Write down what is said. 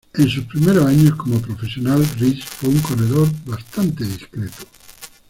En sus primeros años como profesional, Riis fue un corredor bastante discreto.